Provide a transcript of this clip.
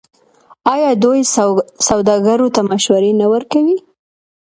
آیا دوی سوداګرو ته مشورې نه ورکوي؟